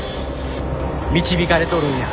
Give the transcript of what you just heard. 導かれとるんや。